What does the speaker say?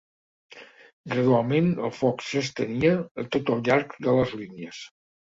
Gradualment el foc s'estenia a tot el llarg de les línies